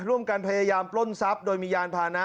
ร่วมกันพยายามปล้นทรัพย์โดยมียานพานะ